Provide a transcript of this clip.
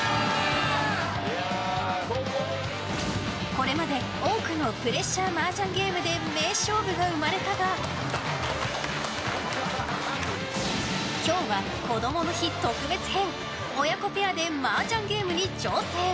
これまで多くのプレッシャーマージャンゲームで名勝負が生まれたが今日はこどもの日特別編親子ペアでマージャンゲームに挑戦。